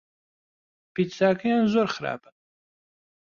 پیتزاکەیان زۆر خراپە.